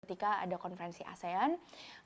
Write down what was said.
ketika ada konferensi asean